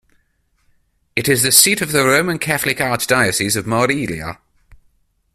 It is the seat of the Roman Catholic Archdiocese of Morelia.